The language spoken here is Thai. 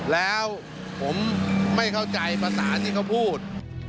แล้วผมไม่เข้าใจภาษาที่เขาพูด